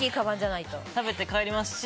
食べて帰りますし。